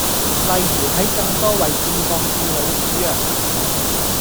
例如喺更多位置放置老鼠藥